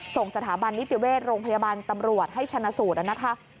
ส่งสถาบันนิติเวชโรงพยาบาลตำรวจให้ชนะสูตรนะคะ